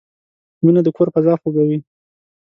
مینه د کور فضا خوږوي.